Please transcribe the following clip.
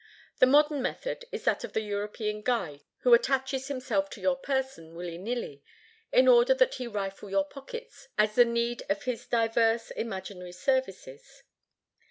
The modern method is that of the European guide who attaches himself to your person willy nilly, in order that he rifle your pockets as the need of his divers imaginary services.